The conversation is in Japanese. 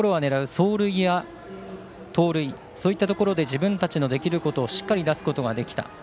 走塁や、盗塁そういったところで自分たちのできることをしっかり出すことができた。